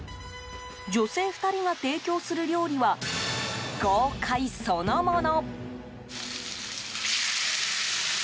女性２人が提供する料理は豪快そのもの。